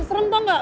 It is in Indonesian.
serem tau gak